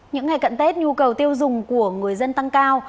những ngày cận tết nhu cầu tiêu dùng của người dân tăng cao